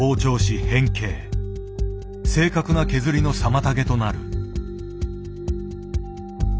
正確な削りの妨げとなる。